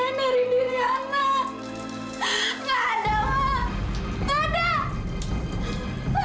nggak ada ma nggak ada